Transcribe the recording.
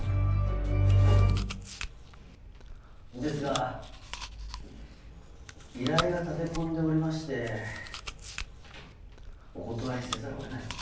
ですが依頼が立て込んでおりましてお断りせざるを得ないかと。